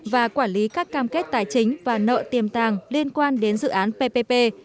và quản lý các cam kết tài chính và nợ tiềm tàng liên quan đến dự án ppp